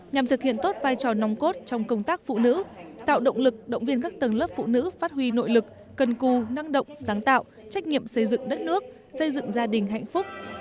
nhằm thực hiện tốt vai trò nòng cốt trong công tác phụ nữ tạo động lực động viên các tầng lớp phụ nữ phát huy nội lực cân cù năng động sáng tạo trách nhiệm xây dựng đất nước xây dựng gia đình hạnh phúc